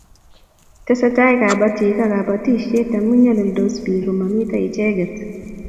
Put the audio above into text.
Tesetai kabatik ak batishet amu nyalildos biik ko mamito icheget